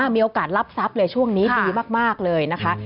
มีโอกาสรับทรัพย์เลยช่วงนี้ดีมากเลยนะคะ